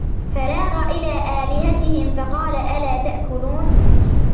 فَرَاغَ إِلَى آلِهَتِهِمْ فَقَالَ أَلَا تَأْكُلُونَ